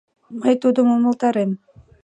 Мый тудым умылтарем: